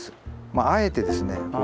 まああえてですね